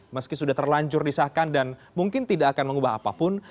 meski sudah terlanjur disahkan dan mungkin tidak akan mengubah apapun